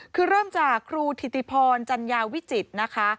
คือเริ่มจากครูถิติพรจัญญาวิจิตรนะคะ